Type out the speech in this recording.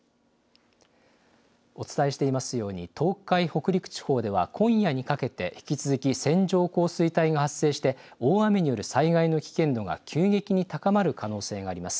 お伝えしていますように東海、北陸地方では今夜にかけて引き続き線状降水帯が発生して大雨による災害の危険度が急激に高まる可能性があります。